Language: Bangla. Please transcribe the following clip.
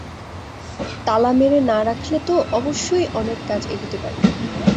তালা মেরে না রাখলে তো অবশ্যই অনেক কাজ এগোতে পারি।